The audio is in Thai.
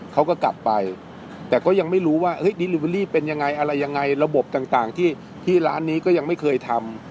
เขาก็กลับไปแต่ก็ยังไม่รู้ว่าดิลิเวอรี่เป็นยังไงอะไรยังไงระบบต่างที่ร้านนี้ก็ยังไม่เคยทำ